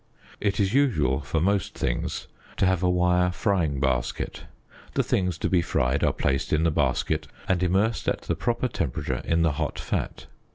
It is usual for most things to have a wire frying basket ; the things to be fried are placed in the basket and immersed at the proper temperature in the hot fat.